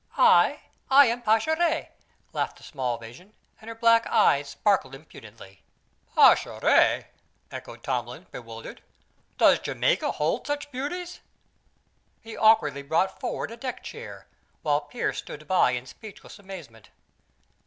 "I? I am Pascherette!" laughed the small vision, and her black eyes sparkled impudently. "Pascherette!" echoed Tomlin, bewildered. "Does Jamaica hold such beauties?" He awkwardly brought forward a deck chair, while Pearse stood by in speechless amazement.